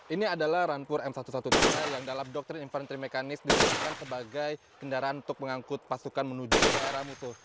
ini adalah rampur m satu ratus dua belas yang dalam doktrin infanteri mekanis ditetapkan sebagai kendaraan untuk mengangkut pasukan menuju ke daerah mutu